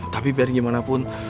tapi biar bagaimanapun